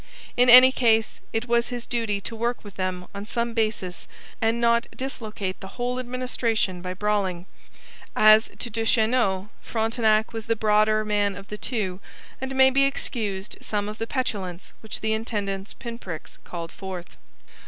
In any case, it was his duty to work with them on some basis and not dislocate the whole administration by brawling. As to Duchesneau, Frontenac was the broader man of the two, and may be excused some of the petulance which the intendant's pin pricks called forth.